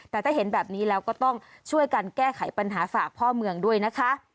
แต่ถ้าเห็นแบบนี้แล้วก็ต้องช่วยกันแก้ไขปัญหาฝากพ่อเมืองด้วยนะคะ